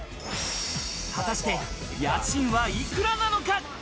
果たして家賃は幾らなのか？